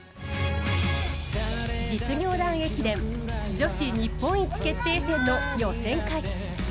実業団駅伝女子日本一決定戦の予選会。